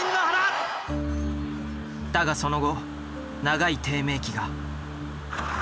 だがその後長い低迷期が。